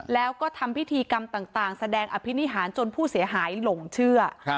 แล้วก็ทำพิธีกรรมต่างแสดงอภินิหารจนผู้เสียหายหลงเชื่อ